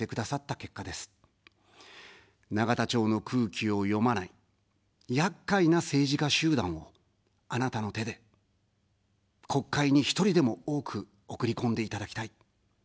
永田町の空気を読まない、やっかいな政治家集団を、あなたの手で、国会に１人でも多く送り込んでいただきたい。